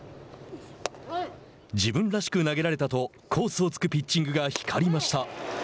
自分らしく投げられたとコースを突くピッチングが光りました。